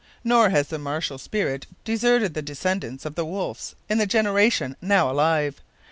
Nor has the martial spirit deserted the descendants of the Wolfes in the generation now alive.